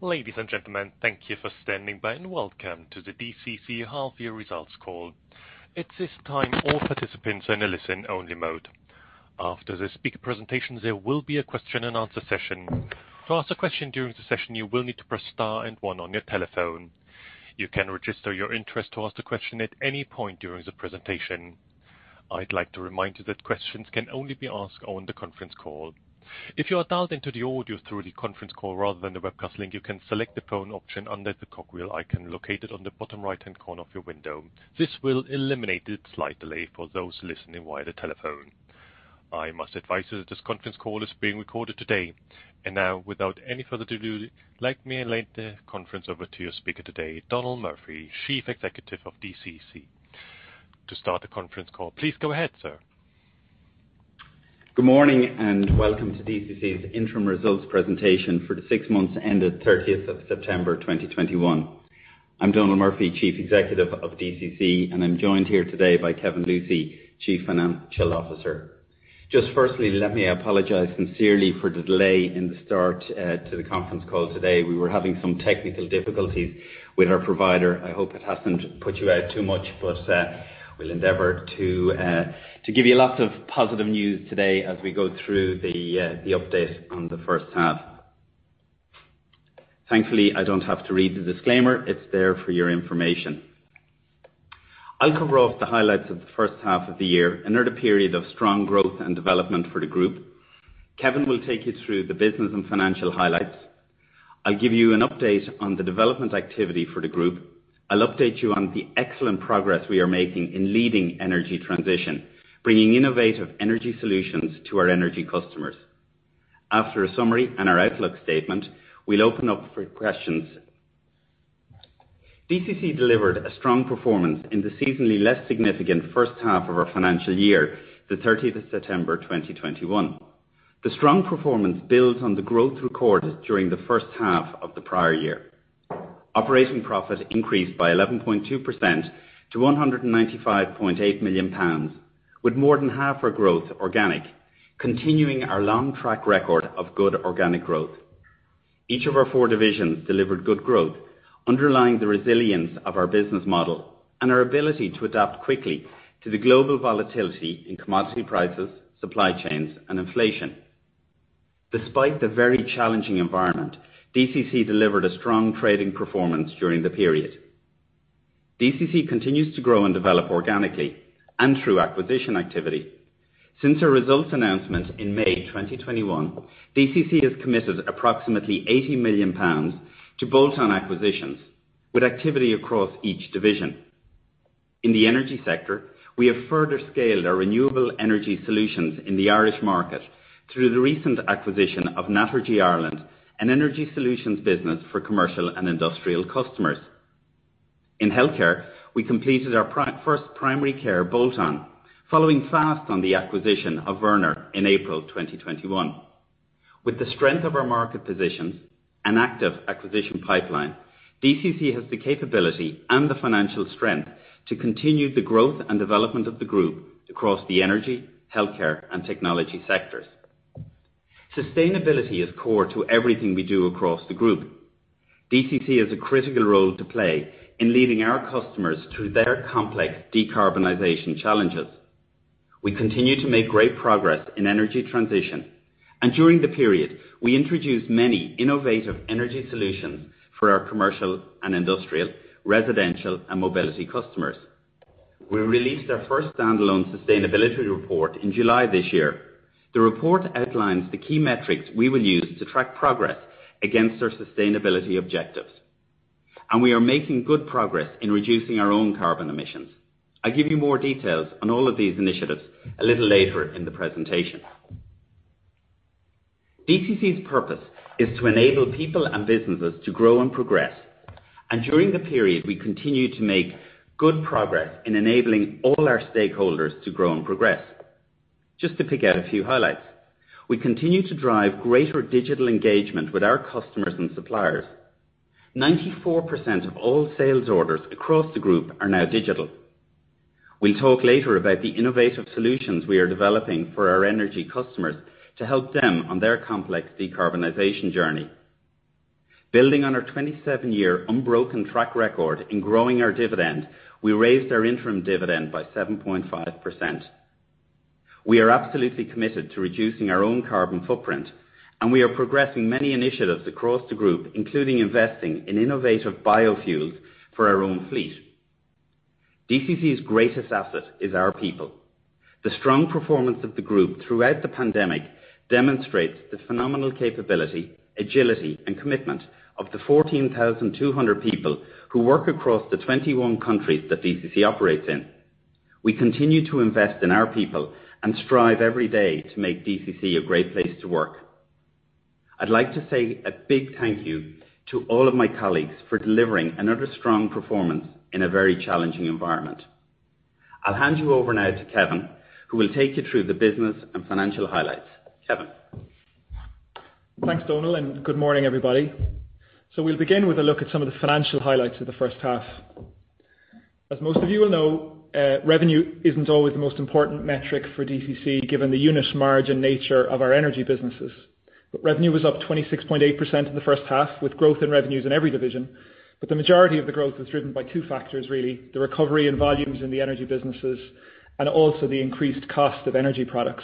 Ladies and gentlemen, thank you for standing by, and welcome to the DCC Half Year Results Call. At this time, all participants are in a listen-only mode. After the speaker presentation, there will be a question and answer session. To ask a question during the session, you will need to press star and one on your telephone. You can register your interest to ask the question at any point during the presentation. I'd like to remind you that questions can only be asked on the conference call. If you are dialed into the audio through the conference call rather than the webcast link, you can select the phone option under the cog wheel icon located on the bottom right-hand corner of your window. This will eliminate the slight delay for those listening via the telephone. I must advise you that this conference call is being recorded today. Now, without any further ado, let me hand the conference over to your speaker today, Donal Murphy, Chief Executive of DCC. To start the conference call, please go ahead, sir. Good morning, and welcome to DCC's interim results presentation for the six months ending September 30th, 2021. I'm Donal Murphy, Chief Executive of DCC, and I'm joined here today by Kevin Lucey, Chief Financial Officer. Just firstly, let me apologize sincerely for the delay in the start to the conference call today. We were having some technical difficulties with our provider. I hope it hasn't put you out too much, but we'll endeavor to give you lots of positive news today as we go through the update on the first half. Thankfully, I don't have to read the disclaimer. It's there for your information. I'll cover off the highlights of the first half of the year, another period of strong growth and development for the group. Kevin will take you through the business and financial highlights. I'll give you an update on the development activity for the group. I'll update you on the excellent progress we are making in leading energy transition, bringing innovative energy solutions to our energy customers. After a summary and our outlook statement, we'll open up for questions. DCC delivered a strong performance in the seasonally less significant first half of our financial year, the September 30th, 2021. The strong performance builds on the growth recorded during the first half of the prior year. Operating profit increased by 11.2% to 195.8 million pounds, with more than half our growth organic, continuing our long track record of good organic growth. Each of our four divisions delivered good growth, underlying the resilience of our business model and our ability to adapt quickly to the global volatility in commodity prices, supply chains, and inflation. Despite the very challenging environment, DCC delivered a strong trading performance during the period. DCC continues to grow and develop organically and through acquisition activity. Since our results announcement in May 2021, DCC has committed approximately 80 million pounds to bolt-on acquisitions with activity across each division. In the energy sector, we have further scaled our renewable energy solutions in the Irish market through the recent acquisition of Naturgy Ireland, an energy solutions business for commercial and industrial customers. In healthcare, we completed our first primary care bolt-on, following fast on the acquisition of Wörner in April 2021. With the strength of our market positions and active acquisition pipeline, DCC has the capability and the financial strength to continue the growth and development of the group across the energy, healthcare, and technology sectors. Sustainability is core to everything we do across the group. DCC has a critical role to play in leading our customers through their complex decarbonization challenges. We continue to make great progress in energy transition, and during the period, we introduced many innovative energy solutions for our commercial and industrial, residential, and mobility customers. We released our first standalone sustainability report in July this year. The report outlines the key metrics we will use to track progress against our sustainability objectives, and we are making good progress in reducing our own carbon emissions. I'll give you more details on all of these initiatives a little later in the presentation. DCC's purpose is to enable people and businesses to grow and progress. During the period, we continued to make good progress in enabling all our stakeholders to grow and progress. Just to pick out a few highlights. We continue to drive greater digital engagement with our customers and suppliers. 94% of all sales orders across the group are now digital. We'll talk later about the innovative solutions we are developing for our energy customers to help them on their complex decarbonization journey. Building on our 27-year unbroken track record in growing our dividend, we raised our interim dividend by 7.5%. We are absolutely committed to reducing our own carbon footprint, and we are progressing many initiatives across the group, including investing in innovative biofuels for our own fleet. DCC's greatest asset is our people. The strong performance of the group throughout the pandemic demonstrates the phenomenal capability, agility, and commitment of the 14,200 people who work across the 21 countries that DCC operates in. We continue to invest in our people and strive every day to make DCC a great place to work. I'd like to say a big thank you to all of my colleagues for delivering another strong performance in a very challenging environment. I'll hand you over now to Kevin, who will take you through the business and financial highlights. Kevin. Thanks, Donal, and good morning, everybody. We'll begin with a look at some of the financial highlights of the first half. As most of you will know, revenue isn't always the most important metric for DCC, given the unit margin nature of our energy businesses. Revenue was up 26.8% in the first half, with growth in revenues in every division. The majority of the growth was driven by two factors, really, the recovery in volumes in the energy businesses and also the increased cost of energy products.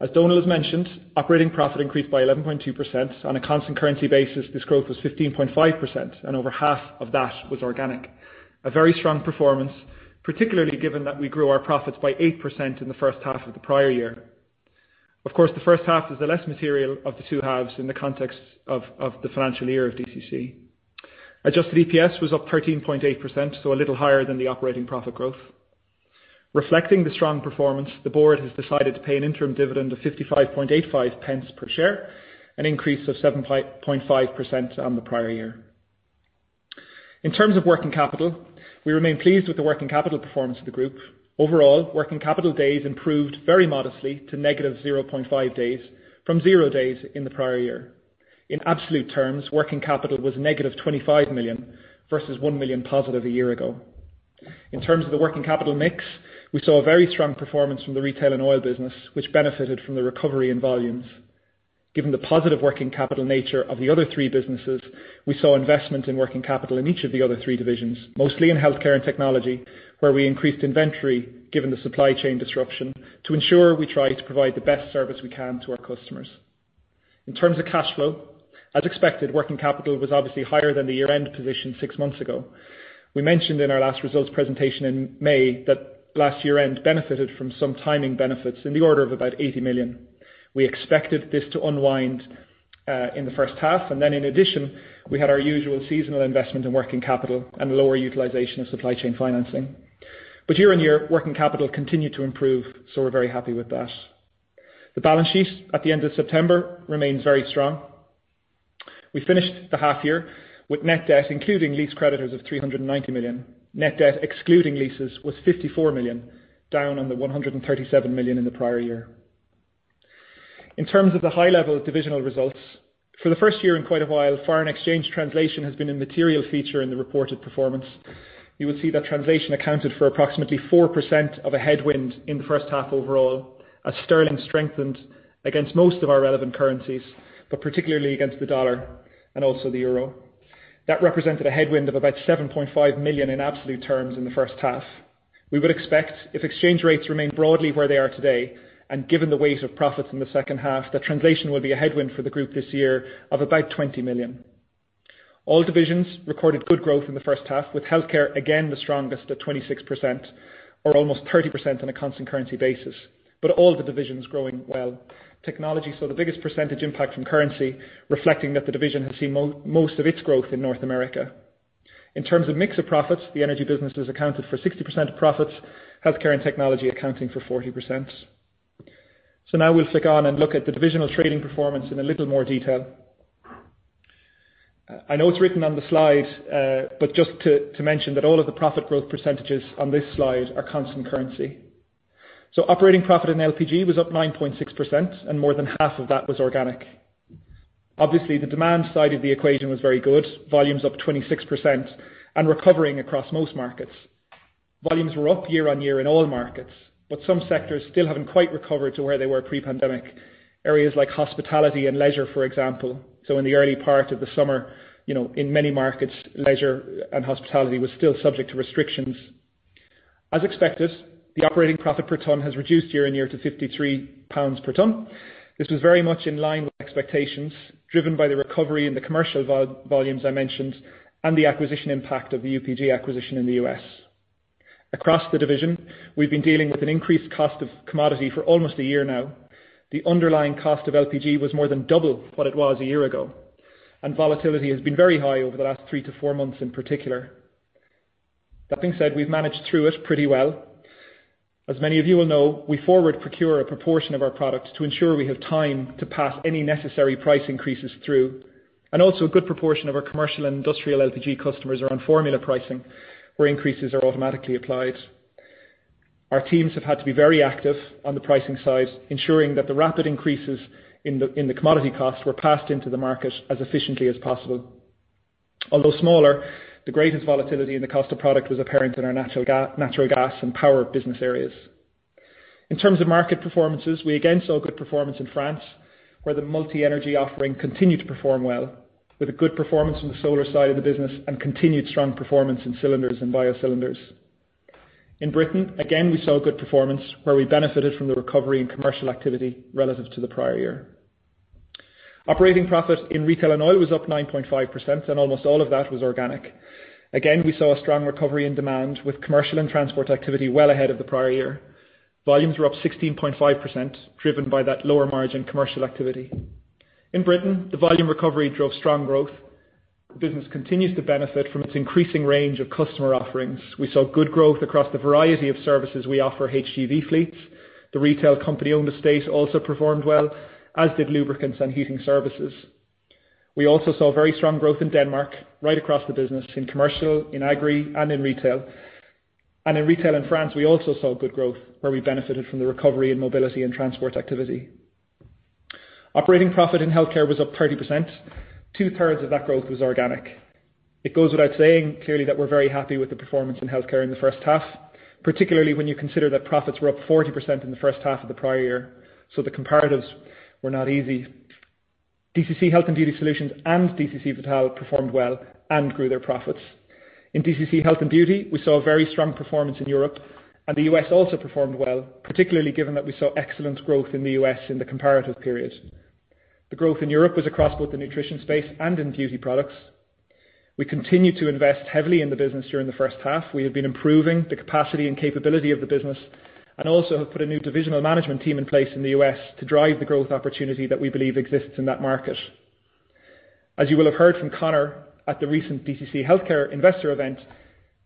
As Donal has mentioned, operating profit increased by 11.2%. On a constant currency basis, this growth was 15.5%, and over half of that was organic. A very strong performance, particularly given that we grew our profits by 8% in the first half of the prior year. Of course, the first half is the less material of the two halves in the context of the financial year of DCC. Adjusted EPS was up 13.8%, so a little higher than the operating profit growth. Reflecting the strong performance, the board has decided to pay an interim dividend of 55.85 pence per share, an increase of 7.5% on the prior year. In terms of working capital, we remain pleased with the working capital performance of the group. Overall, working capital days improved very modestly to -0.5 days from 0 days in the prior year. In absolute terms, working capital was -25 million versus 1 million positive a year ago. In terms of the working capital mix, we saw a very strong performance from the retail and oil business, which benefited from the recovery in volumes. Given the positive working capital nature of the other three businesses, we saw investment in working capital in each of the other three divisions, mostly in healthcare and technology, where we increased inventory given the supply chain disruption to ensure we try to provide the best service we can to our customers. In terms of cash flow, as expected, working capital was obviously higher than the year-end position six months ago. We mentioned in our last results presentation in May that last year-end benefited from some timing benefits in the order of about 80 million. We expected this to unwind in the first half, and then in addition, we had our usual seasonal investment in working capital and lower utilization of supply chain financing. Year-on-year, working capital continued to improve, so we're very happy with that. The balance sheet at the end of September remains very strong. We finished the half year with net debt, including lease creditors of 390 million. Net debt, excluding leases, was 54 million, down on the 137 million in the prior year. In terms of the high-level divisional results, for the first year in quite a while, foreign exchange translation has been a material feature in the reported performance. You will see that translation accounted for approximately 4% of a headwind in the first half overall as sterling strengthened against most of our relevant currencies, but particularly against the $ and also the EUR. That represented a headwind of about 7.5 million in absolute terms in the first half. We would expect if exchange rates remain broadly where they are today, and given the weight of profits in the second half, that translation will be a headwind for the group this year of about 20 million. All divisions recorded good growth in the first half with Healthcare, again, the strongest at 26% or almost 30% on a constant currency basis. All the divisions growing well. Technology saw the biggest percentage impact from currency, reflecting that the division has seen most of its growth in North America. In terms of mix of profits, the Energy businesses accounted for 60% of profits, Healthcare and Technology accounting for 40%. Now we'll flick on and look at the divisional trading performance in a little more detail. I know it's written on the slide, but just to mention that all of the profit growth percentages on this slide are constant currency. Operating profit in LPG was up 9.6%, and more than half of that was organic. Obviously, the demand side of the equation was very good, volumes up 26% and recovering across most markets. Volumes were up year-on-year in all markets, but some sectors still haven't quite recovered to where they were pre-pandemic. Areas like hospitality and leisure, for example. In the early part of the summer, you know, in many markets, leisure and hospitality was still subject to restrictions. As expected, the operating profit per ton has reduced year-on-year to 53 pounds per ton. This was very much in line with expectations, driven by the recovery in the commercial volumes I mentioned and the acquisition impact of the UPG acquisition in the U.S. Across the division, we've been dealing with an increased cost of commodity for almost a year now. The underlying cost of LPG was more than double what it was a year ago, and volatility has been very high over the last three to four months in particular. That being said, we've managed through it pretty well. As many of you will know, we forward procure a proportion of our products to ensure we have time to pass any necessary price increases through. Also, a good proportion of our commercial and industrial LPG customers are on formula pricing, where increases are automatically applied. Our teams have had to be very active on the pricing side, ensuring that the rapid increases in the commodity costs were passed into the market as efficiently as possible. Although smaller, the greatest volatility in the cost of product was apparent in our natural gas and power business areas. In terms of market performances, we again saw good performance in France, where the multi-energy offering continued to perform well with a good performance on the solar side of the business and continued strong performance in cylinders and bio-cylinders. In Britain, again, we saw good performance where we benefited from the recovery in commercial activity relative to the prior year. Operating profit in retail and oil was up 9.5%, and almost all of that was organic. Again, we saw a strong recovery in demand with commercial and transport activity well ahead of the prior year. Volumes were up 16.5%, driven by that lower margin commercial activity. In Britain, the volume recovery drove strong growth. The business continues to benefit from its increasing range of customer offerings. We saw good growth across the variety of services we offer HGV fleets. The retail company-owned estate also performed well, as did lubricants and heating services. We also saw very strong growth in Denmark right across the business, in commercial, in agri, and in retail. In retail in France, we also saw good growth where we benefited from the recovery in mobility and transport activity. Operating profit in healthcare was up 30%. Two-thirds of that growth was organic. It goes without saying clearly that we're very happy with the performance in healthcare in the first half, particularly when you consider that profits were up 40% in the first half of the prior year, so the comparatives were not easy. DCC Health & Beauty Solutions and DCC Vital performed well and grew their profits. In DCC Health & Beauty, we saw a very strong performance in Europe, and the U.S. also performed well, particularly given that we saw excellent growth in the U.S. in the comparative period. The growth in Europe was across both the nutrition space and in beauty products. We continued to invest heavily in the business during the first half. We have been improving the capacity and capability of the business, and also have put a new divisional management team in place in the U.S. to drive the growth opportunity that we believe exists in that market. As you will have heard from Conor at the recent DCC Healthcare Investor event,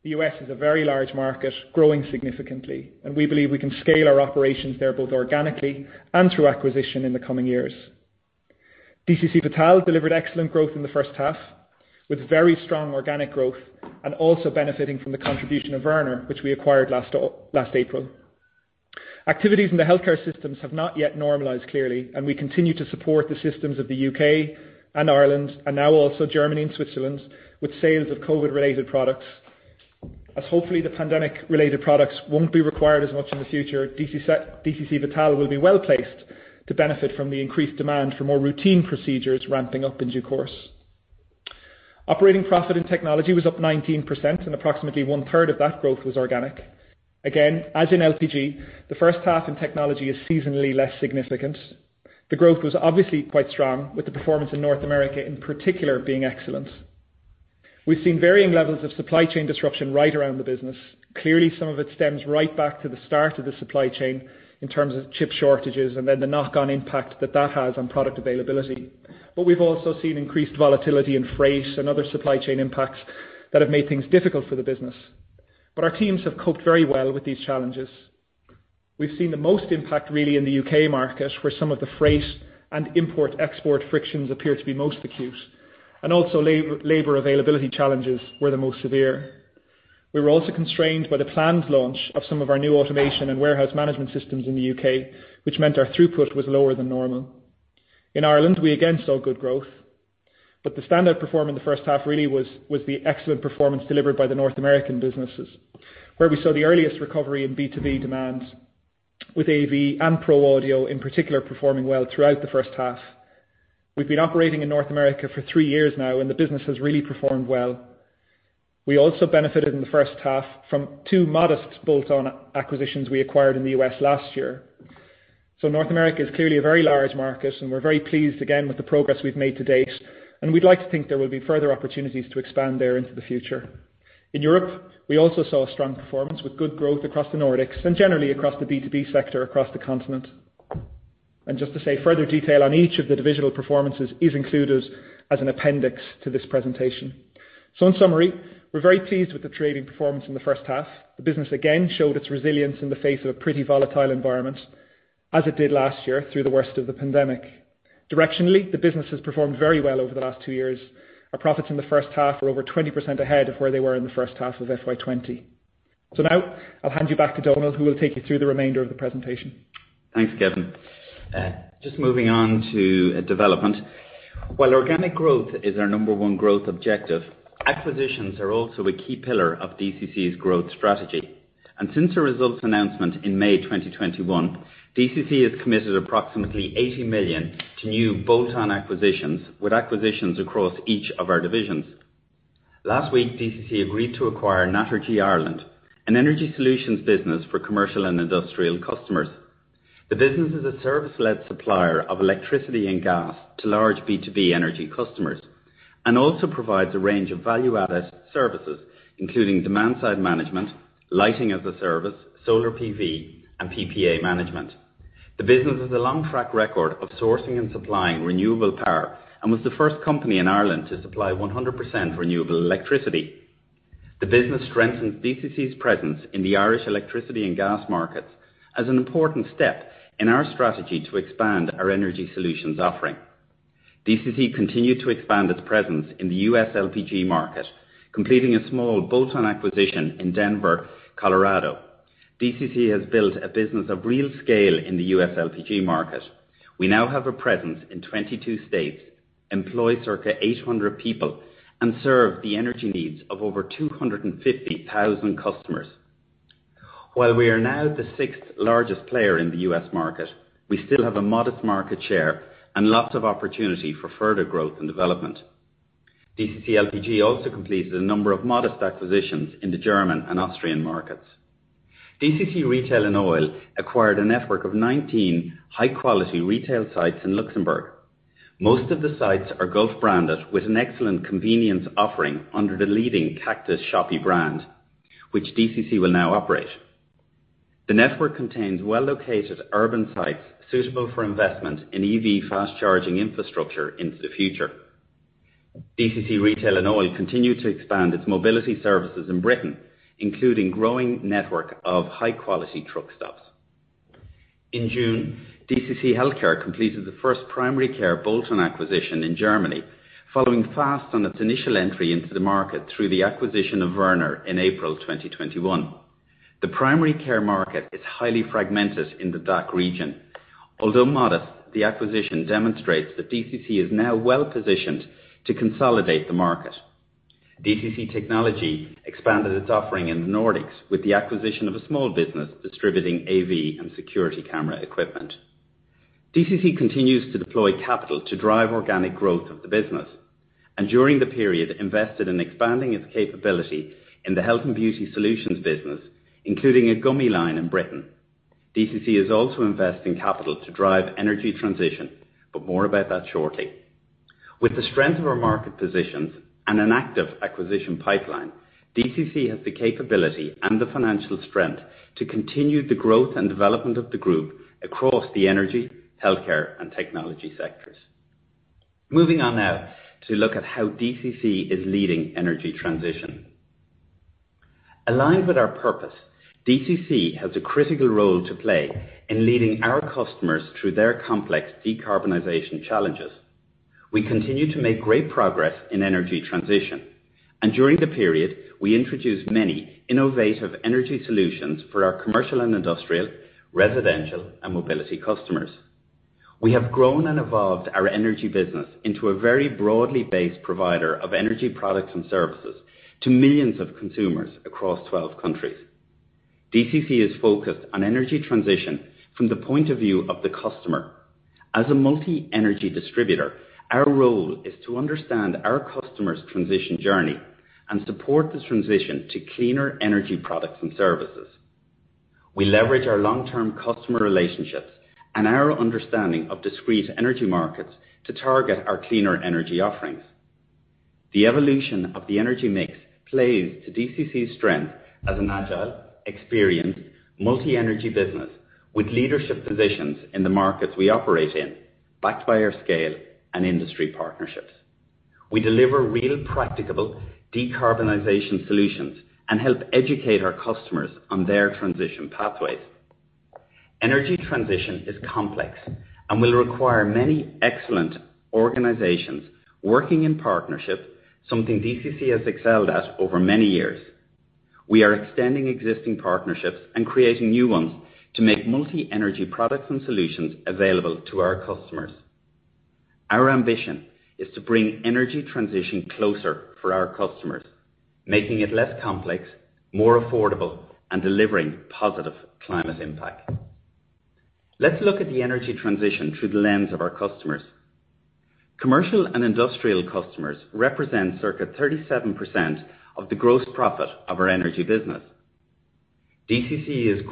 the U.S. is a very large market, growing significantly, and we believe we can scale our operations there, both organically and through acquisition in the coming years. DCC Vital delivered excellent growth in the first half, with very strong organic growth and also benefiting from the contribution of Wörner, which we acquired last April. Activities in the healthcare systems have not yet normalized clearly, and we continue to support the systems of the U.K. and Ireland, and now also Germany and Switzerland, with sales of Covid-related products. As hopefully the pandemic-related products won't be required as much in the future, DCC Vital will be well-placed to benefit from the increased demand for more routine procedures ramping up in due course. Operating profit in technology was up 19% and approximately one-third of that growth was organic. Again, as in LPG, the first half in technology is seasonally less significant. The growth was obviously quite strong, with the performance in North America in particular being excellent. We've seen varying levels of supply chain disruption right around the business. Clearly, some of it stems right back to the start of the supply chain in terms of chip shortages and then the knock-on impact that that has on product availability. But we've also seen increased volatility in freight and other supply chain impacts that have made things difficult for the business. Our teams have coped very well with these challenges. We've seen the most impact really in the U.K. market, where some of the freight and import/export frictions appear to be most acute, and also labor availability challenges were the most severe. We were also constrained by the planned launch of some of our new automation and warehouse management systems in the U.K., which meant our throughput was lower than normal. In Ireland, we again saw good growth. The standout performance in the first half really was the excellent performance delivered by the North American businesses, where we saw the earliest recovery in B2B demand with AV and Pro Audio in particular performing well throughout the first half. We've been operating in North America for three years now and the business has really performed well. We also benefited in the first half from two modest bolt-on acquisitions we acquired in the U.S. last year. North America is clearly a very large market and we're very pleased again with the progress we've made to date, and we'd like to think there will be further opportunities to expand there into the future. In Europe, we also saw a strong performance with good growth across the Nordics and generally across the B2B sector across the continent. Just to say, further detail on each of the divisional performances is included as an appendix to this presentation. In summary, we're very pleased with the trading performance in the first half. The business again showed its resilience in the face of a pretty volatile environment, as it did last year through the worst of the pandemic. Directionally, the business has performed very well over the last two years. Our profits in the first half were over 20% ahead of where they were in the first half of FY 2020. Now I'll hand you back to Donal, who will take you through the remainder of the presentation. Thanks, Kevin. Just moving on to development. While organic growth is our number one growth objective, acquisitions are also a key pillar of DCC's growth strategy. Since the results announcement in May 2021, DCC has committed approximately 80 million to new bolt-on acquisitions, with acquisitions across each of our divisions. Last week, DCC agreed to acquire Naturgy Ireland, an energy solutions business for commercial and industrial customers. The business is a service-led supplier of electricity and gas to large B2B energy customers and also provides a range of value-added services, including demand-side management, lighting as a service, solar PV, and PPA management. The business has a long track record of sourcing and supplying renewable power and was the first company in Ireland to supply 100% renewable electricity. The business strengthens DCC's presence in the Irish electricity and gas markets as an important step in our strategy to expand our energy solutions offering. DCC continued to expand its presence in the U.S. LPG market, completing a small bolt-on acquisition in Denver, Colorado. DCC has built a business of real scale in the U.S. LPG market. We now have a presence in 22 states, employ circa 800 people, and serve the energy needs of over 250,000 customers. While we are now the sixth largest player in the U.S. market, we still have a modest market share and lots of opportunity for further growth and development. DCC LPG also completed a number of modest acquisitions in the German and Austrian markets. DCC Retail & Oil acquired a network of 19 high-quality retail sites in Luxembourg. Most of the sites are Gulf-branded with an excellent convenience offering under the leading Cactus Shoppi brand, which DCC will now operate. The network contains well-located urban sites suitable for investment in EV fast charging infrastructure into the future. DCC Retail & Oil continued to expand its mobility services in Britain, including growing network of high-quality truck stops. In June, DCC Healthcare completed the first primary care bolt-on acquisition in Germany, following fast on its initial entry into the market through the acquisition of Wörner in April 2021. The primary care market is highly fragmented in the DACH region. Although modest, the acquisition demonstrates that DCC is now well-positioned to consolidate the market. DCC Technology expanded its offering in the Nordics with the acquisition of a small business distributing AV and security camera equipment. DCC continues to deploy capital to drive organic growth of the business, and during the period, invested in expanding its capability in the health and beauty solutions business, including a gummy line in Britain. DCC is also investing capital to drive energy transition, but more about that shortly. With the strength of our market positions and an active acquisition pipeline, DCC has the capability and the financial strength to continue the growth and development of the group across the Energy, Healthcare, and Technology sectors. Moving on now to look at how DCC is leading energy transition. Aligned with our purpose, DCC has a critical role to play in leading our customers through their complex decarbonization challenges. We continue to make great progress in energy transition, and during the period, we introduced many innovative energy solutions for our commercial and industrial, residential, and mobility customers. We have grown and evolved our energy business into a very broadly based provider of energy products and services to millions of consumers across 12 countries. DCC is focused on energy transition from the point of view of the customer. As a multi-energy distributor, our role is to understand our customers' transition journey and support this transition to cleaner energy products and services. We leverage our long-term customer relationships and our understanding of discrete energy markets to target our cleaner energy offerings. The evolution of the energy mix plays to DCC's strength as an agile, experienced, multi-energy business with leadership positions in the markets we operate in, backed by our scale and industry partnerships. We deliver real, practicable decarbonization solutions and help educate our customers on their transition pathways. Energy transition is complex and will require many excellent organizations working in partnership, something DCC has excelled at over many years. We are extending existing partnerships and creating new ones to make multi-energy products and solutions available to our customers. Our ambition is to bring energy transition closer for our customers, making it less complex, more affordable, and delivering positive climate impact. Let's look at the energy transition through the lens of our customers. Commercial and industrial customers represent circa 37% of the gross profit of our energy business. DCC has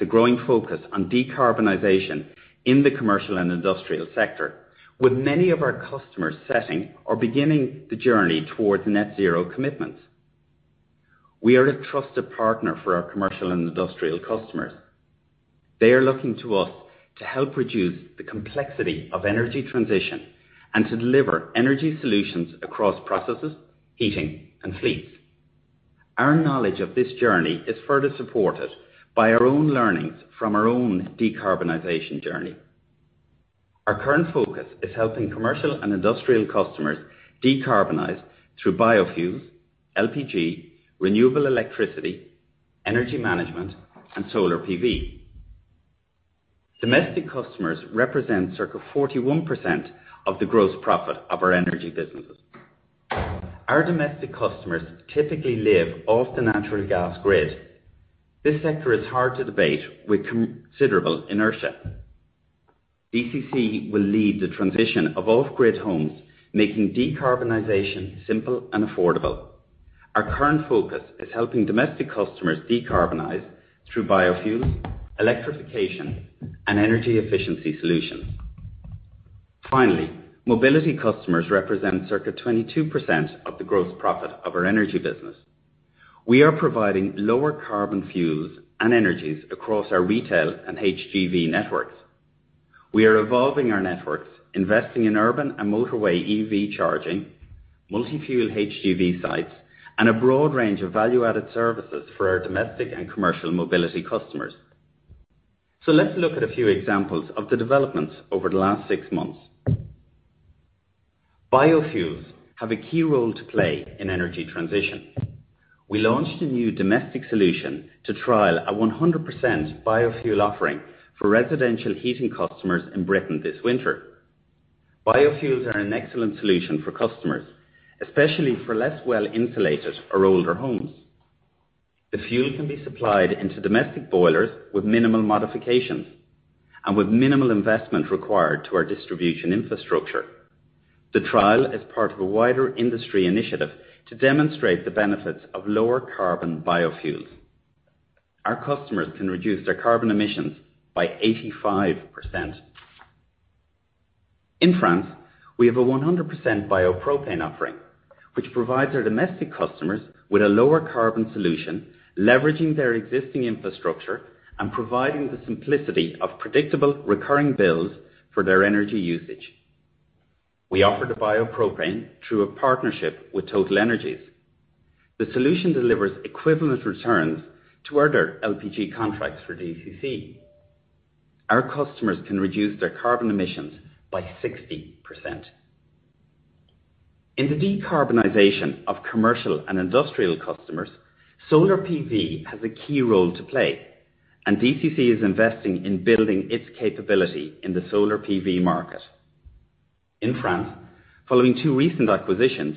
a growing focus on decarbonization in the commercial and industrial sector, with many of our customers setting or beginning the journey towards net zero commitments. We are a trusted partner for our commercial and industrial customers. They are looking to us to help reduce the complexity of energy transition and to deliver energy solutions across processes, heating, and fleets. Our knowledge of this journey is further supported by our own learnings from our own decarbonization journey. Our current focus is helping commercial and industrial customers decarbonize through biofuels, LPG, renewable electricity, energy management, and solar PV. Domestic customers represent circa 41% of the gross profit of our energy businesses. Our domestic customers typically live off the natural gas grid. This sector is hard to abate with considerable inertia. DCC will lead the transition of off-grid homes, making decarbonization simple and affordable. Our current focus is helping domestic customers decarbonize through biofuels, electrification, and energy efficiency solutions. Finally, mobility customers represent circa 22% of the gross profit of our energy business. We are providing lower carbon fuels and energies across our retail and HGV networks. We are evolving our networks, investing in urban and motorway EV charging, multi-fuel HGV sites, and a broad range of value-added services for our domestic and commercial mobility customers. Let's look at a few examples of the developments over the last six months. Biofuels have a key role to play in energy transition. We launched a new domestic solution to trial a 100% biofuel offering for residential heating customers in Britain this winter. Biofuels are an excellent solution for customers, especially for less well-insulated or older homes. The fuel can be supplied into domestic boilers with minimal modifications, and with minimal investment required to our distribution infrastructure. The trial is part of a wider industry initiative to demonstrate the benefits of lower carbon biofuels. Our customers can reduce their carbon emissions by 85%. In France, we have a 100% biopropane offering, which provides our domestic customers with a lower carbon solution, leveraging their existing infrastructure and providing the simplicity of predictable recurring bills for their energy usage. We offer the biopropane through a partnership with TotalEnergies. The solution delivers equivalent returns to other LPG contracts for DCC. Our customers can reduce their carbon emissions by 60%. In the decarbonization of commercial and industrial customers, solar PV has a key role to play, and DCC is investing in building its capability in the solar PV market. In France, following two recent acquisitions,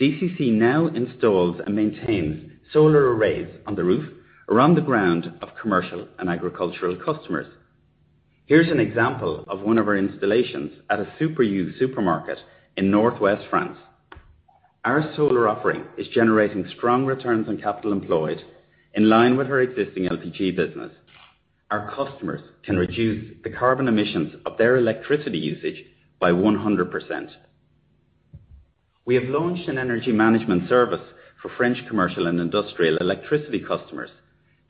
DCC now installs and maintains solar arrays on the roofs and around the grounds of commercial and agricultural customers. Here's an example of one of our installations at a Super U supermarket in Northwest France. Our solar offering is generating strong returns on capital employed in line with our existing LPG business. Our customers can reduce the carbon emissions of their electricity usage by 100%. We have launched an energy management service for French commercial and industrial electricity customers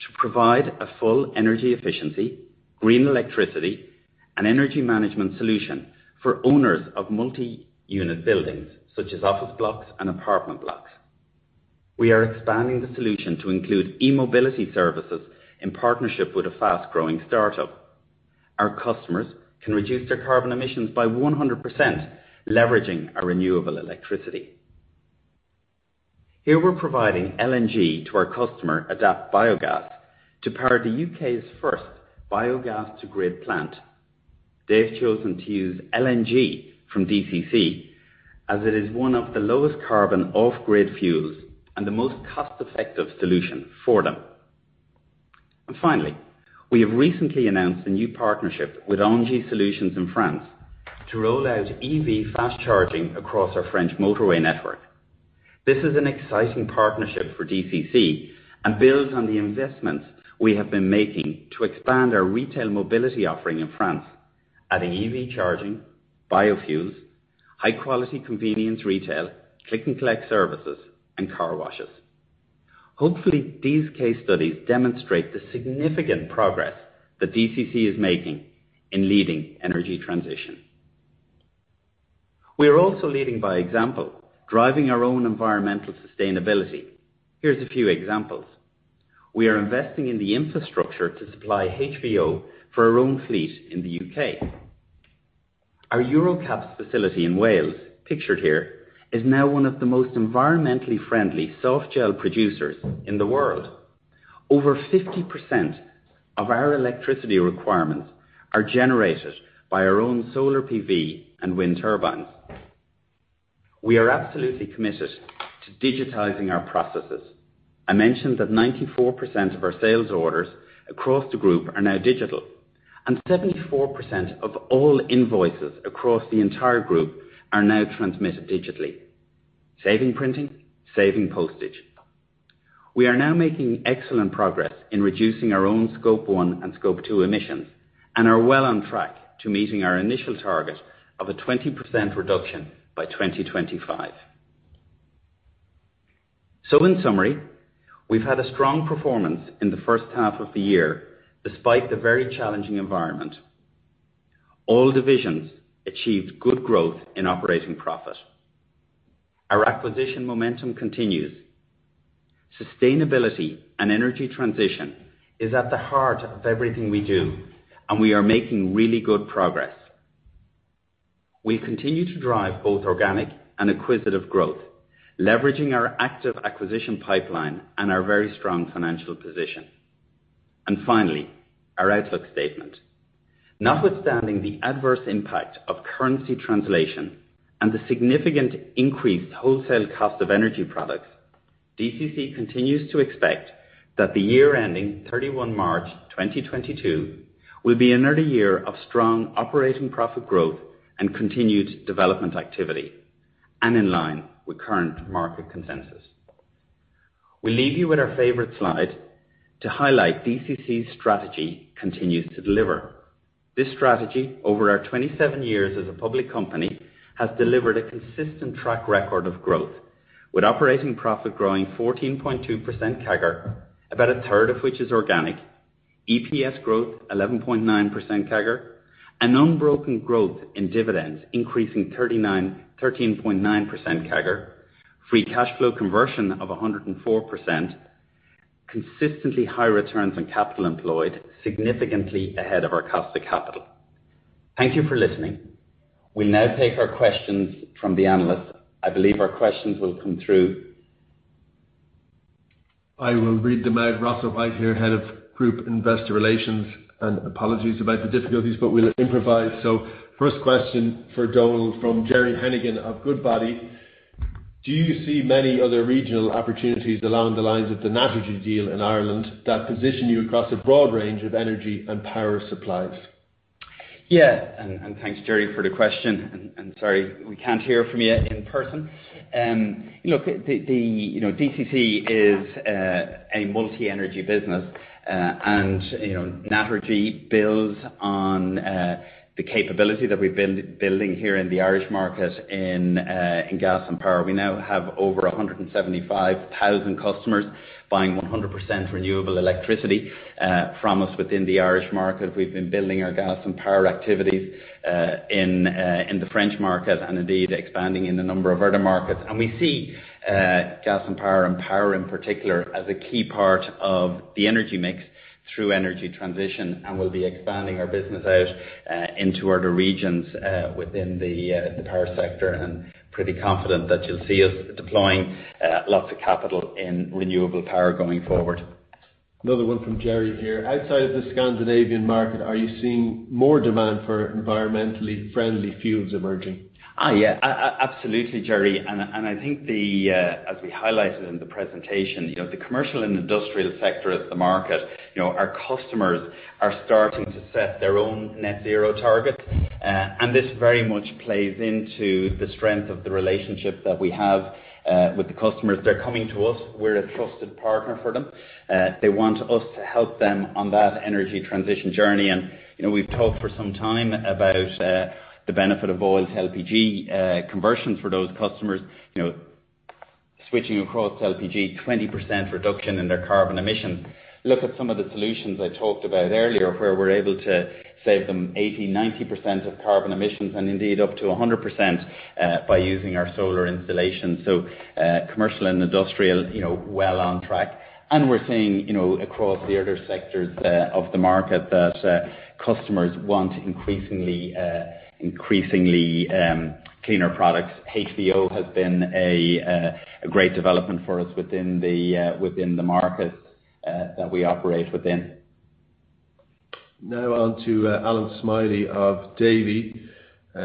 to provide a full energy efficiency, green electricity, and energy management solution for owners of multi-unit buildings such as office blocks and apartment blocks. We are expanding the solution to include e-mobility services in partnership with a fast-growing startup. Our customers can reduce their carbon emissions by 100%, leveraging our renewable electricity. Here we're providing LNG to our customer, Adapt Biogas, to power the U.K.'s first biogas to grid plant. They've chosen to use LNG from DCC as it is one of the lowest carbon off-grid fuels and the most cost-effective solution for them. Finally, we have recently announced a new partnership with ENGIE Solutions in France to roll out EV fast charging across our French motorway network. This is an exciting partnership for DCC and builds on the investments we have been making to expand our retail mobility offering in France, adding EV charging, biofuels, high-quality convenience retail, click and collect services, and car washes. Hopefully, these case studies demonstrate the significant progress that DCC is making in leading energy transition. We are also leading by example, driving our own environmental sustainability. Here's a few examples. We are investing in the infrastructure to supply HVO for our own fleet in the U.K. Our EuroCaps facility in Wales, pictured here, is now one of the most environmentally friendly softgel producers in the world. Over 50% of our electricity requirements are generated by our own solar PV and wind turbines. We are absolutely committed to digitizing our processes. I mentioned that 94% of our sales orders across the group are now digital, and 74% of all invoices across the entire group are now transmitted digitally, saving printing, saving postage. We are now making excellent progress in reducing our own Scope 1 and Scope 2 emissions, and are well on track to meeting our initial target of a 20% reduction by 2025. In summary, we've had a strong performance in the first half of the year, despite the very challenging environment. All divisions achieved good growth in operating profit. Our acquisition momentum continues. Sustainability and energy transition is at the heart of everything we do, and we are making really good progress. We continue to drive both organic and acquisitive growth, leveraging our active acquisition pipeline and our very strong financial position. Finally, our outlook statement. Notwithstanding the adverse impact of currency translation and the significant increased wholesale cost of energy products, DCC continues to expect that the year ending March 31, 2022 will be another year of strong operating profit growth and continued development activity, and in line with current market consensus. We leave you with our favorite slide to highlight DCC's strategy continues to deliver. This strategy over our 27 years as a public company has delivered a consistent track record of growth, with operating profit growing 14.2% CAGR, about a third of which is organic. EPS growth 11.9% CAGR. An unbroken growth in dividends, increasing 13.9% CAGR. Free cash flow conversion of 104%. Consistently high returns on capital employed, significantly ahead of our cost of capital. Thank you for listening. We'll now take our questions from the analysts. I believe our questions will come through. I will read them out. Rossa White here, Head of Group Investor Relations, and apologies about the difficulties, but we'll improvise. First question for Donal from Gerry Hennigan of Goodbody. Do you see many other regional opportunities along the lines of the Naturgy deal in Ireland that position you across a broad range of energy and power supplies? Thanks, Gerry, for the question. Sorry we can't hear from you in person. Look, you know, DCC is a multi-energy business. You know, Naturgy builds on the capability that we're building here in the Irish market in gas and power. We now have over 175,000 customers buying 100% renewable electricity from us within the Irish market. We've been building our gas and power activities in the French market and indeed expanding in a number of other markets. We see gas and power and power in particular as a key part of the energy mix through energy transition. We'll be expanding our business out into other regions within the power sector, and pretty confident that you'll see us deploying lots of capital in renewable power going forward. Another one from Gerry here. Outside of the Scandinavian market, are you seeing more demand for environmentally friendly fuels emerging? Absolutely, Gerry. I think the, as we highlighted in the presentation, you know, the commercial and industrial sector of the market, you know, our customers are starting to set their own net zero targets. This very much plays into the strength of the relationship that we have, with the customers. They're coming to us, we're a trusted partner for them. They want us to help them on that energy transition journey. You know, we've talked for some time about, the benefit of oil to LPG, conversions for those customers. You know, switching across to LPG, 20% reduction in their carbon emissions. Look at some of the solutions I talked about earlier, where we're able to save them 80%, 90% of carbon emissions, and indeed up to 100%, by using our solar installations. Commercial and industrial, you know, well on track. We're seeing, you know, across the other sectors of the market that customers want increasingly cleaner products. HVO has been a great development for us within the markets that we operate within. Now on to Allan Smylie of Davy.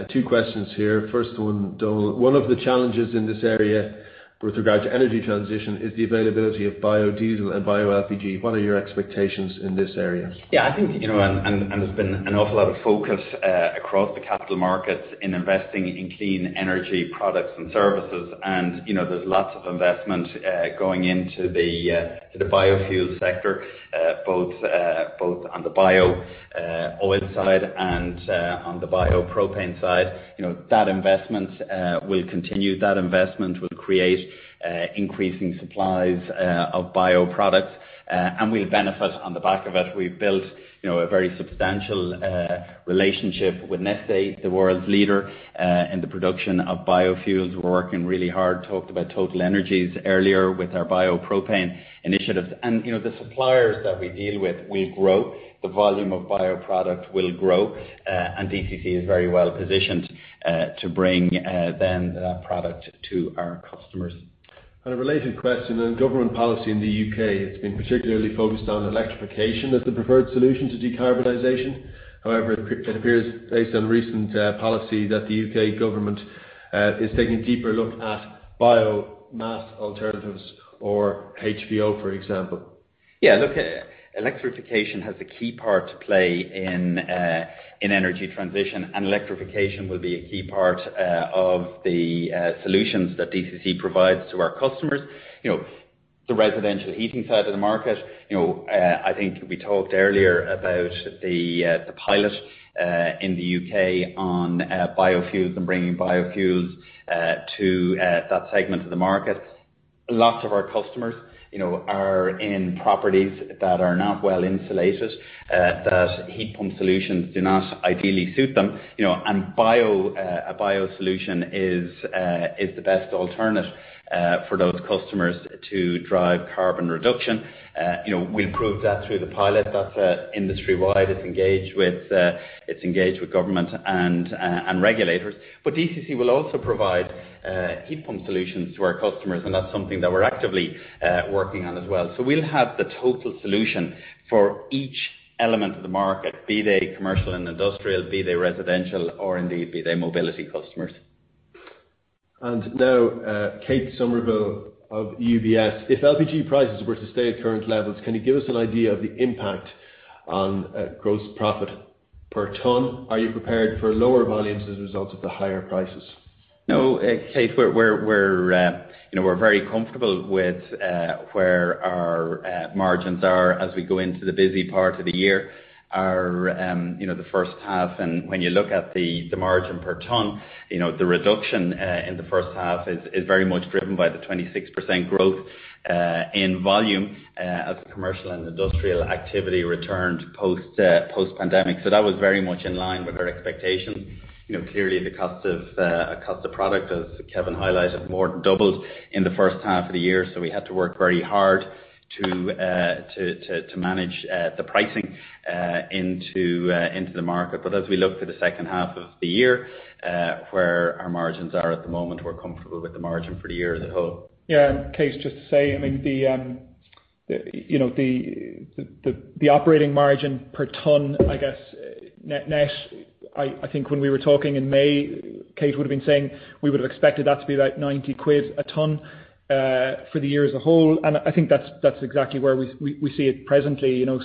Two questions here. First one, Donal. One of the challenges in this area with regard to energy transition is the availability of biodiesel and bio LPG. What are your expectations in this area? Yeah, I think, you know, and there's been an awful lot of focus across the capital markets in investing in clean energy products and services. You know, there's lots of investment going into the biofuel sector, both on the bio oil side and on the biopropane side. You know, that investment will continue. That investment will create increasing supplies of bioproducts. We'll benefit on the back of it. We've built, you know, a very substantial relationship with Neste, the world's leader in the production of biofuels. We're working really hard. Talked about TotalEnergies earlier with our biopropane initiatives. You know, the suppliers that we deal with will grow. The volume of bioproduct will grow. DCC is very well positioned to bring in that product to our customers. On a related question, on government policy in the U.K., it's been particularly focused on electrification as the preferred solution to decarbonization. However, it appears based on recent policy that the U.K. government is taking a deeper look at biomass alternatives or HVO, for example. Yeah. Look, electrification has a key part to play in energy transition, and electrification will be a key part of the solutions that DCC provides to our customers. You know, the residential heating side of the market, you know, I think we talked earlier about the pilot in the U.K. on biofuels and bringing biofuels to that segment of the market. Lots of our customers, you know, are in properties that are not well insulated that heat pump solutions do not ideally suit them. You know, a bio solution is the best alternative for those customers to drive carbon reduction. You know, we've proved that through the pilot. That's industry-wide. It's engaged with government and regulators. DCC will also provide heat pump solutions to our customers, and that's something that we're actively working on as well. We'll have the total solution for each element of the market, be they commercial and industrial, be they residential, or indeed, be they mobility customers. Kate Somerville of UBS. If LPG prices were to stay at current levels, can you give us an idea of the impact on gross profit per ton? Are you prepared for lower volumes as a result of the higher prices? No, Kate, you know, we're very comfortable with where our margins are as we go into the busy part of the year. When you look at the margin per ton, you know, the reduction in the first half is very much driven by the 26% growth in volume as the commercial and industrial activity returned post-pandemic. That was very much in line with our expectations. You know, clearly the cost of product, as Kevin highlighted, more than doubled in the first half of the year, so we had to work very hard to manage the pricing into the market. As we look to the second half of the year, where our margins are at the moment, we're comfortable with the margin for the year as a whole. Yeah, Kate, just to say, I mean, the, you know, the operating margin per ton, I guess, net, I think when we were talking in May, Kate would've been saying we would've expected that to be about 90 quid a ton, for the year as a whole. I think that's exactly where we see it presently, you know.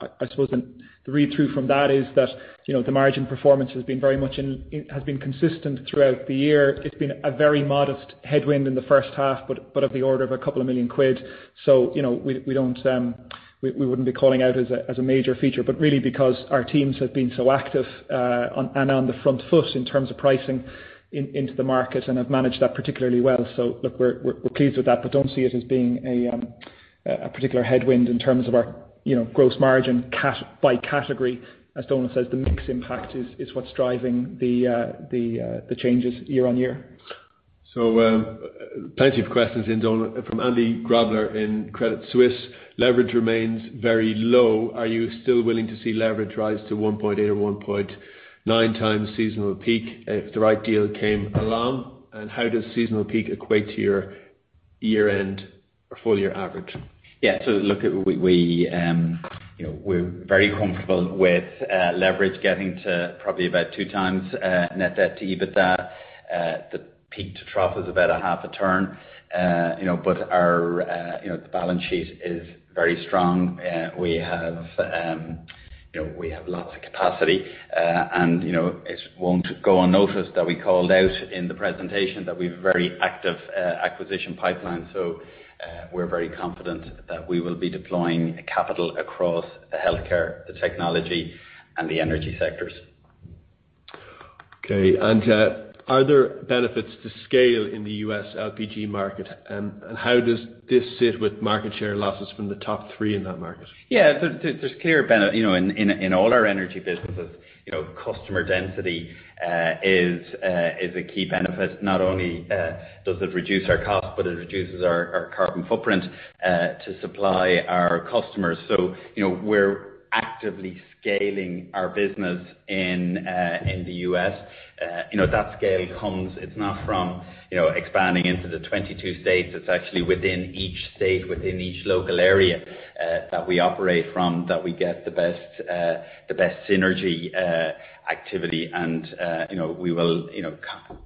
I suppose then the read-through from that is that, you know, the margin performance has been very much in line. It has been consistent throughout the year. It's been a very modest headwind in the first half, but of the order of a couple of million GBP. You know, we wouldn't be calling out as a major feature, but really because our teams have been so active on the front foot in terms of pricing into the market and have managed that particularly well. Look, we're pleased with that, but don't see it as being a particular headwind in terms of our, you know, gross margin by category. As Donal says, the mix impact is what's driving the changes year on year. Plenty of questions in, Donal, from Andy Grobler in Credit Suisse. Leverage remains very low. Are you still willing to see leverage rise to 1.8x or 1.9x seasonal peak if the right deal came along? How does seasonal peak equate to your year-end or full-year average? You know, we're very comfortable with leverage getting to probably about 2x net debt to EBITDA. The peak to trough is about a half a turn. You know, but our balance sheet is very strong. We have, you know, lots of capacity. You know, it won't go unnoticed that we called out in the presentation that we have a very active acquisition pipeline. We're very confident that we will be deploying capital across the Healthcare, the Technology, and the Energy sectors. Are there benefits to scale in the U.S. LPG market, and how does this sit with market share losses from the top three in that market? There's clear benefit, you know, in all our energy businesses, you know, customer density is a key benefit. Not only does it reduce our cost, but it reduces our carbon footprint to supply our customers. We're actively scaling our business in the U.S. That scale comes, it's not from expanding into the 22 states. It's actually within each state, within each local area that we operate from, that we get the best synergy activity. We will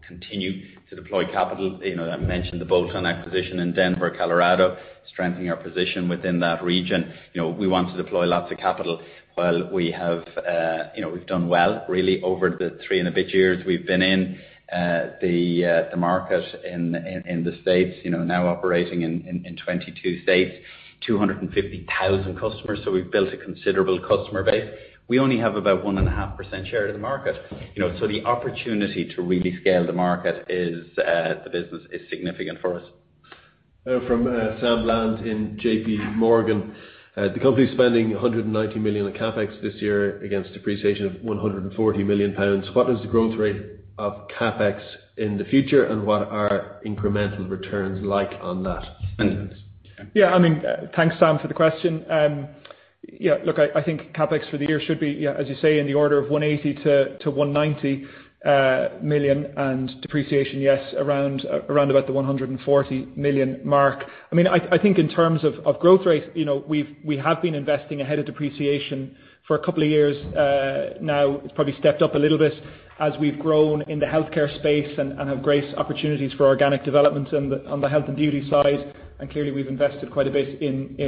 continue to deploy capital. You know, I mentioned the bolt-on acquisition in Denver, Colorado, strengthening our position within that region. You know, we want to deploy lots of capital. While we have, you know, we've done well really over the three and a bit years we've been in the market in the States, you know, now operating in 22 states, 250,000 customers, so we've built a considerable customer base. We only have about 1.5% share of the market. You know, the opportunity to really scale the market is, the business is significant for us. Now from Sam Bland in JPMorgan. The company is spending 190 million in CapEx this year against depreciation of 140 million pounds. What is the growth rate of CapEx in the future, and what are incremental returns like on that? Yeah, I mean, thanks Sam for the question. Yeah, look, I think CapEx for the year should be, as you say, in the order of 180 million-190 million and depreciation, yes, around about the 140 million mark. I mean, I think in terms of growth rate, you know, we've been investing ahead of depreciation for a couple of years. Now it's probably stepped up a little bit as we've grown in the healthcare space and have great opportunities for organic development on the health and beauty side. Clearly, we've invested quite a bit in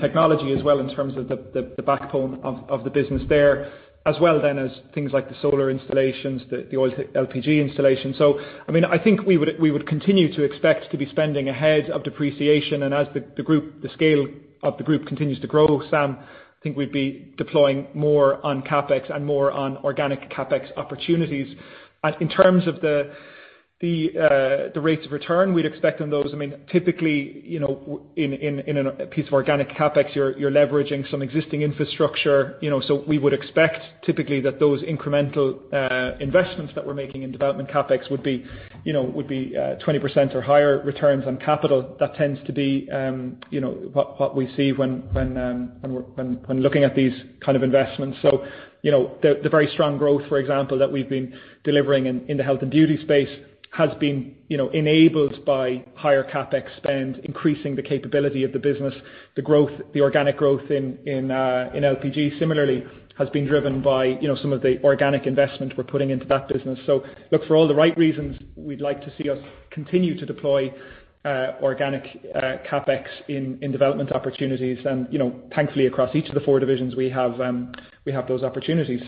technology as well in terms of the backbone of the business there, as well as things like the solar installations, the oil LPG installation. I mean, I think we would continue to expect to be spending ahead of depreciation. As the scale of the group continues to grow, Sam, I think we'd be deploying more on CapEx and more on organic CapEx opportunities. In terms of the rates of return we'd expect on those, I mean, typically, you know, in a piece of organic CapEx, you're leveraging some existing infrastructure, you know. We would expect typically that those incremental investments that we're making in development CapEx would be, you know, 20% or higher returns on capital. That tends to be, you know, what we see when we're looking at these kind of investments. You know, the very strong growth, for example, that we've been delivering in the health and beauty space has been, you know, enabled by higher CapEx spend, increasing the capability of the business. The organic growth in LPG similarly has been driven by, you know, some of the organic investment we're putting into that business. Look, for all the right reasons, we'd like to see us continue to deploy organic CapEx in development opportunities. You know, thankfully across each of the four divisions we have those opportunities.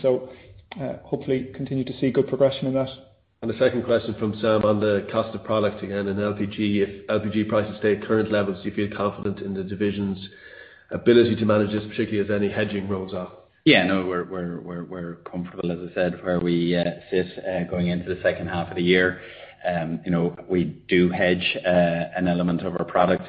Hopefully continue to see good progression in that. The second question from Sam on the cost of product again, in LPG, if LPG prices stay at current levels, do you feel confident in the division's ability to manage this, particularly as any hedging rolls off? Yeah. No, we're comfortable, as I said, where we sit going into the second half of the year. You know, we do hedge an element of our product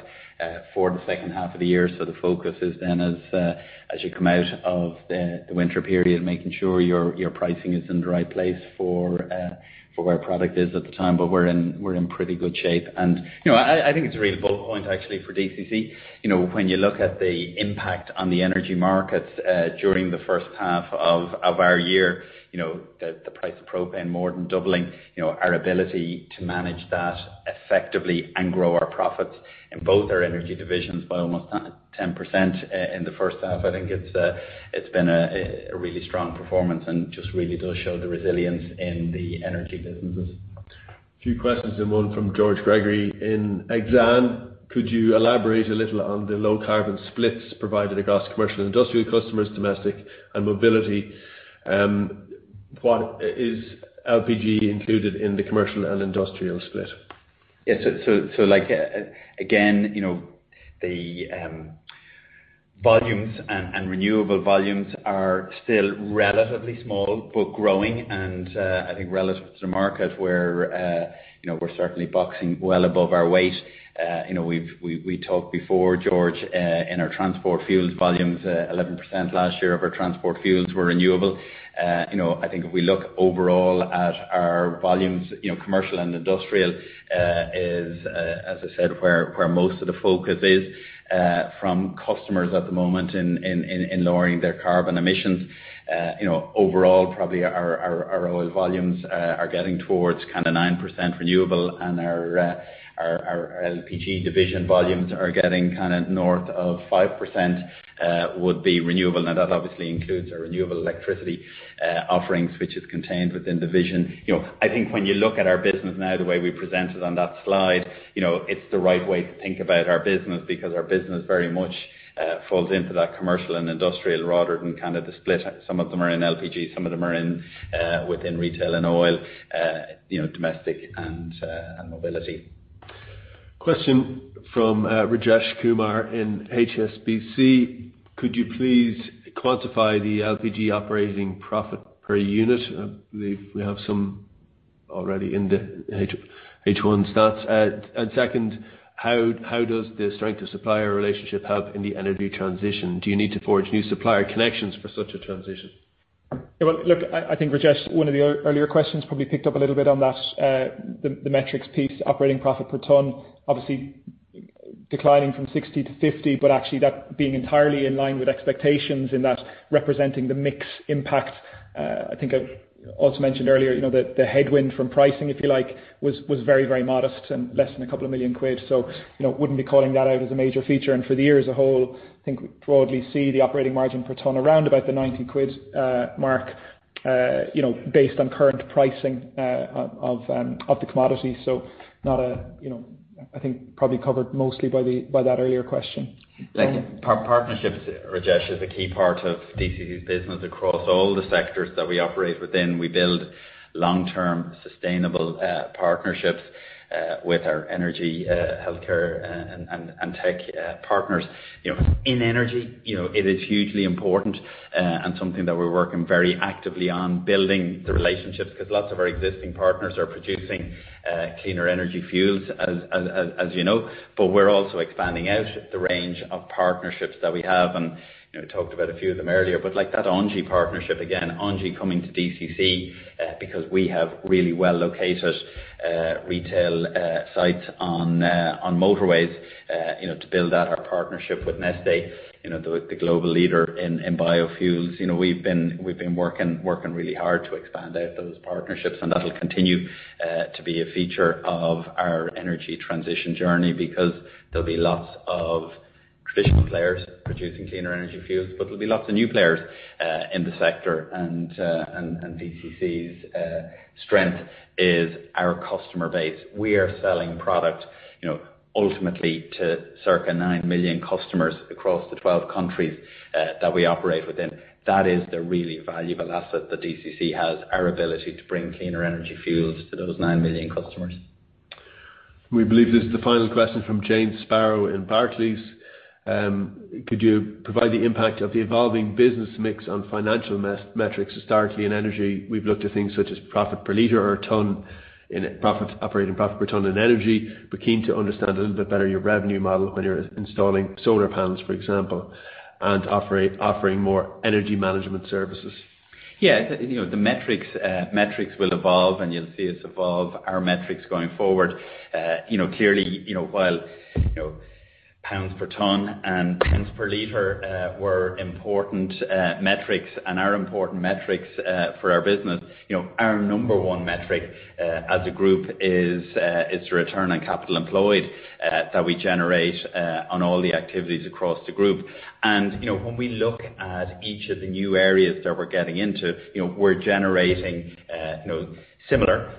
for the second half of the year. The focus is then as you come out of the winter period, making sure your pricing is in the right place for where product is at the time. We're in pretty good shape. You know, I think it's a real bullet point actually for DCC. You know, when you look at the impact on the energy markets during the first half of our year, you know, the price of propane more than doubling. You know, our ability to manage that effectively and grow our profits in both our energy divisions by almost 10%, in the first half, I think it's been a really strong performance and just really does show the resilience in the energy businesses. few questions in one from George Gregory in Exane. Could you elaborate a little on the low carbon splits provided across commercial and industrial customers, domestic and mobility? What is LPG included in the commercial and industrial split? Yes. So like, again, you know, the volumes and renewable volumes are still relatively small, but growing. I think relative to market where, you know, we're certainly boxing well above our weight. You know, we talked before, George, in our transport fuels volumes, 11% last year of our transport fuels were renewable. You know, I think if we look overall at our volumes, you know, commercial and industrial is, as I said, where most of the focus is, from customers at the moment in lowering their carbon emissions. You know, overall, probably our oil volumes are getting towards kind of 9% renewable and our LPG division volumes are getting kind of north of 5% would be renewable. Now, that obviously includes our renewable electricity offerings, which is contained within the vision. You know, I think when you look at our business now, the way we present it on that slide, you know, it's the right way to think about our business because our business very much falls into that commercial and industrial rather than kind of the split. Some of them are in LPG, some of them are within Retail & Oil, you know, domestic and mobility. Question from Rajesh Kumar in HSBC. Could you please quantify the LPG operating profit per unit? I believe we have some already in the H1 stats. Second, how does the strength of supplier relationship help in the energy transition? Do you need to forge new supplier connections for such a transition? Yeah. Well, look, I think, Rajesh, one of the earlier questions probably picked up a little bit on that. The metrics piece, operating profit per ton, obviously declining from 60 to 50, but actually that being entirely in line with expectations in that representing the mix impact. I think I also mentioned earlier, you know, the headwind from pricing, if you like, was very modest and less than 2 million quid. You know, wouldn't be calling that out as a major feature. For the year as a whole, I think we broadly see the operating margin per ton around about the 90 quid mark, you know, based on current pricing of the commodity. Not a, you know. I think probably covered mostly by that earlier question. Thank you. Partnerships, Rajesh, is a key part of DCC's business across all the sectors that we operate within. We build long-term sustainable partnerships with our energy, healthcare and tech partners. You know, in energy, you know, it is hugely important, and something that we're working very actively on building the relationships because lots of our existing partners are producing cleaner energy fuels, as you know. We're also expanding out the range of partnerships that we have, and you know, talked about a few of them earlier. Like that ENGIE partnership, again, ENGIE coming to DCC, because we have really well located retail sites on motorways, you know, to build out our partnership with Neste, you know, the global leader in biofuels. You know, we've been working really hard to expand out those partnerships, and that'll continue to be a feature of our energy transition journey because there'll be lots of traditional players producing cleaner energy fuels. There'll be lots of new players in the sector and DCC's strength is our customer base. We are selling product, you know, ultimately to circa nine million customers across the 12 countries that we operate within. That is the really valuable asset that DCC has, our ability to bring cleaner energy fuels to those nine million customers. We believe this is the final question from Jane Sparrow in Barclays. Could you provide the impact of the evolving business mix on financial metrics historically in energy? We've looked at things such as profit per liter or ton in operating profit per ton in energy. We're keen to understand a little bit better your revenue model when you're installing solar panels, for example, and offering more energy management services. Yeah. You know, the metrics will evolve, and you'll see us evolve our metrics going forward. You know, clearly, you know, while, you know, pounds per ton and pence per liter were important metrics and are important metrics for our business. You know, our number one metric as a group is the return on capital employed that we generate on all the activities across the group. You know, when we look at each of the new areas that we're getting into, you know, we're generating, you know, similar,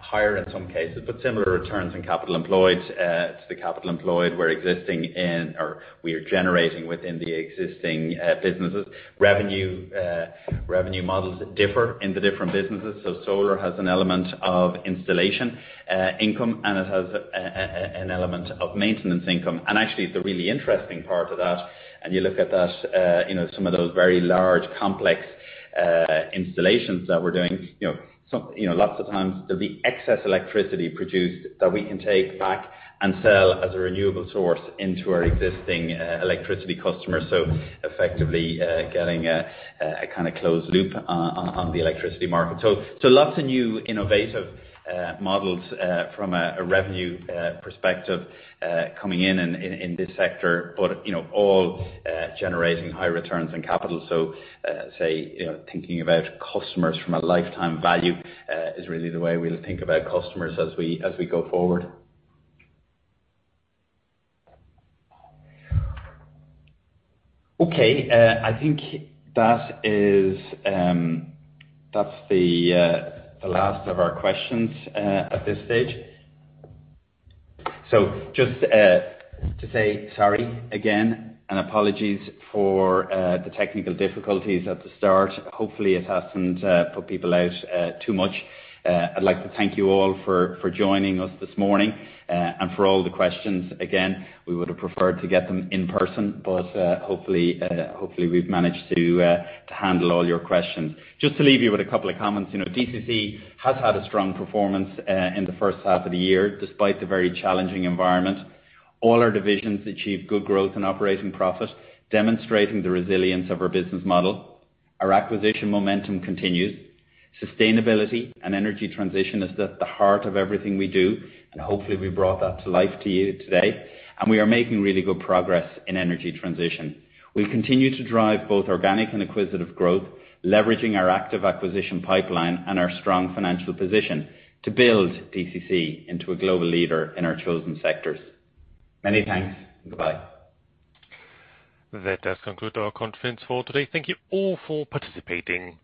higher in some cases, but similar returns on capital employed. It's the capital employed we're investing in or we are generating within the existing businesses. Revenue models differ in the different businesses. Solar has an element of installation, income, and it has an element of maintenance income. Actually the really interesting part of that, you look at that, some of those very large, complex, installations that we're doing. Lots of times there'll be excess electricity produced that we can take back and sell as a renewable source into our existing, electricity customers. Effectively, getting a kind of closed loop on the electricity market. Lots of new innovative models from a revenue perspective coming in this sector. All generating high returns on capital. Thinking about customers from a lifetime value is really the way we'll think about customers as we go forward. Okay. I think that's the last of our questions at this stage. Just to say sorry again and apologies for the technical difficulties at the start. Hopefully, it hasn't put people out too much. I'd like to thank you all for joining us this morning and for all the questions. Again, we would have preferred to get them in person, but hopefully, we've managed to handle all your questions. Just to leave you with a couple of comments. You know, DCC has had a strong performance in the first half of the year, despite the very challenging environment. All our divisions achieved good growth and operating profit, demonstrating the resilience of our business model. Our acquisition momentum continues. Sustainability and energy transition is at the heart of everything we do, and hopefully, we brought that to life to you today. We are making really good progress in energy transition. We continue to drive both organic and acquisitive growth, leveraging our active acquisition pipeline and our strong financial position to build DCC into a global leader in our chosen sectors. Many thanks and goodbye. That does conclude our conference for today. Thank you all for participating.